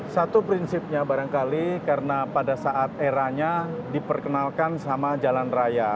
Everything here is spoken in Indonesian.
satu prinsipnya barangkali karena pada saat eranya diperkenalkan sama jalan raya